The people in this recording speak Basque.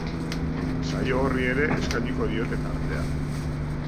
Saio horri ere eskainiko diote tartea.